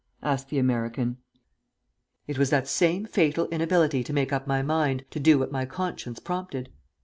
asked the American. "It was that same fatal inability to make up my mind to do what my conscience prompted.